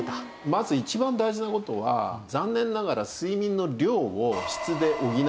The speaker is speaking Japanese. まず一番大事な事は残念ながら睡眠の量を質で補う事はできません。